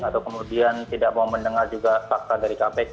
atau kemudian tidak mau mendengar juga fakta dari kpk